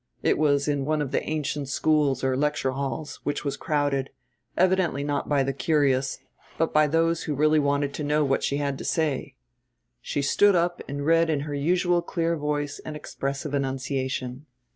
It was in one of the ancient schools or lecture halls, which was crowded, evidently not by the curious, but by those who really wanted to know what she had to say. She stood up and read in her usual clear voice and expressive enunciation....